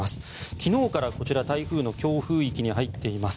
昨日からこちら台風の強風域に入っています。